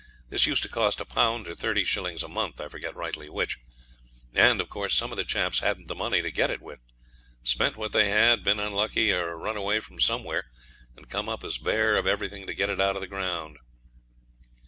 This used to cost a pound or thirty shillings a month I forget rightly which and, of course, some of the chaps hadn't the money to get it with spent what they had, been unlucky, or run away from somewhere, and come up as bare of everything to get it out of the ground.